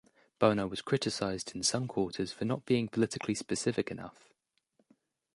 Bono was criticised in some quarters for not being politically specific enough.